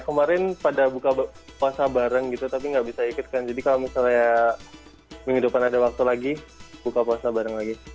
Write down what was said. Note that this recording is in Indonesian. kemarin pada buka puasa bareng gitu tapi nggak bisa ikutkan jadi kalau misalnya minggu depan ada waktu lagi buka puasa bareng lagi